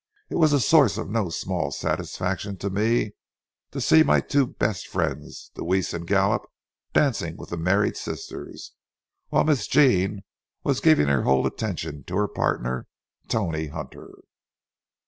It was a source of no small satisfaction to me to see my two best friends, Deweese and Gallup, dancing with the married sisters, while Miss Jean was giving her whole attention to her partner, Tony Hunter.